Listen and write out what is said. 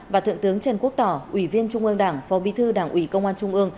và thượng tướng trần quốc tỏ ủy viên trung ương đảng phó bí thư đảng ủy công an trung ương